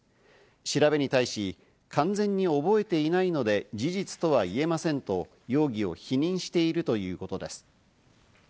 調べに対し、完全に覚えていないので、事実とは言えませんと容疑を否認しているということです。